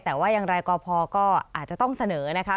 แต่ว่าอย่างไรก็พอก็อาจจะต้องเสนอนะคะ